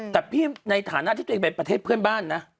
แต่พี่ในฐานะที่ตัวเองเป็นประเทศเพื่อนบ้านนะ